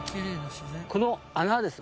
この穴です。